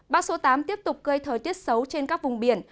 bão số tám tiếp tục gây thời tiết xấu trên các vùng biển